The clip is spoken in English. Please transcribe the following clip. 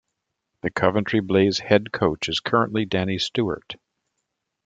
The Coventry Blaze head coach is currently Danny Stewart.